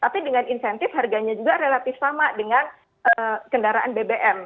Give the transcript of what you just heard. tapi dengan insentif harganya juga relatif sama dengan kendaraan bbm